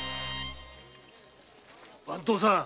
番頭さん